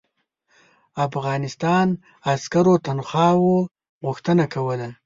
افغانستان عسکرو تنخواوو غوښتنه کوله.